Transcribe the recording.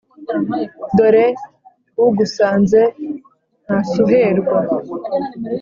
dore ugusanze ntasuherwa